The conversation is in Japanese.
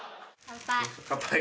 乾杯。